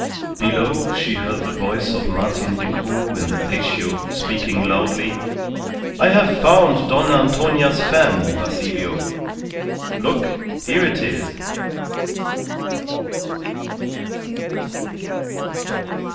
Below she heard the voice of Martin Decoud in the patio speaking loudly: "I have found Dona Antonia's fan, Basilio. Look, here it is!"